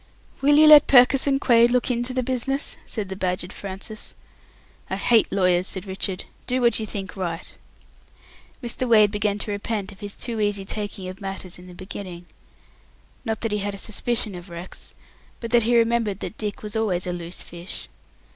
"Will you let Purkiss and Quaid look into the business?" said the badgered Francis. "I hate lawyers," said Richard. "Do what you think right." Mr. Wade began to repent of his too easy taking of matters in the beginning. Not that he had a suspicion of Rex, but that he had remembered that Dick was always a loose fish.